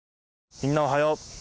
みんなおはよう。